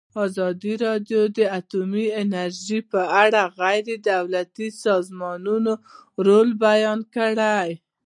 ازادي راډیو د اټومي انرژي په اړه د غیر دولتي سازمانونو رول بیان کړی.